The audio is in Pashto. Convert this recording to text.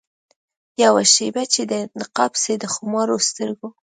یوه شېبه چي دي نقاب سي د خمارو سترګو